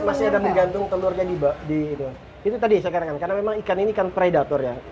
masih ada menggantung telurnya di itu tadi saya katakan karena memang ikan ini kan predator ya